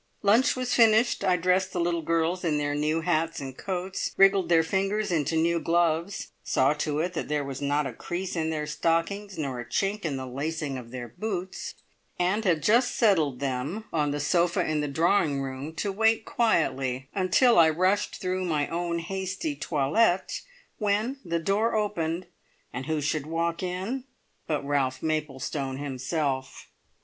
Lunch was finished, I dressed the little girls in their new hats and coats, wriggled their fingers into new gloves, saw to it that there was not a crease in their stockings nor a chink in the lacing of their boots, and had just settled them on the sofa in the drawing room to wait quietly until I rushed through my own hasty toilette, when the door opened, and who should walk in but Ralph Maplestone himself!